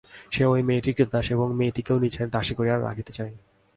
সে ঐ মেয়েটির ক্রীতদাস, এবং মেয়েটিকেও নিজের দাসী করিয়া রাখিতে চায়।